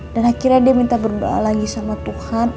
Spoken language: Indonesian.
dan akhirnya dia minta berdoa lagi sama tuhan